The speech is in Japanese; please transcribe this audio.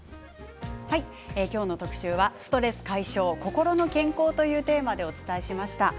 今日の特集はストレス解消心の健康というテーマでお伝えしました。